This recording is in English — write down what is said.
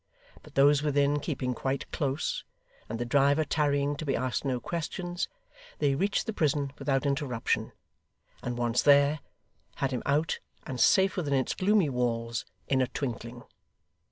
But those within keeping quite close, and the driver tarrying to be asked no questions, they reached the prison without interruption, and, once there, had him out, and safe within its gloomy walls, in a twinkling.